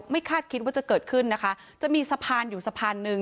คาดคิดว่าจะเกิดขึ้นนะคะจะมีสะพานอยู่สะพานหนึ่ง